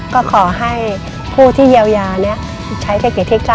ก็ขอให้ผู้ที่เยาวิยาเนี่ยใช้เทคนิคที่๙